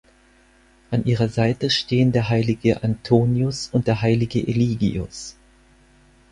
An ihrer Seite stehen der heilige Antonius und der heilige Eligius.